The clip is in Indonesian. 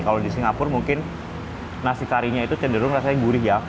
kalau di singapura mungkin nasi karinya itu cenderung rasanya gurih ya